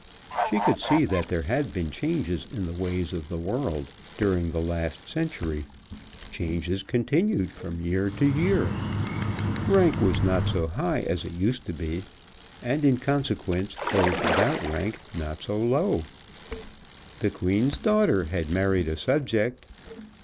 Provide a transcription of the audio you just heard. She could see that there had been changes in the ways of the world during the last century, changes continued from year to year. Rank was not so high as it used to be, and in consequence those without rank not so low. The Queen's daughter had married a subject.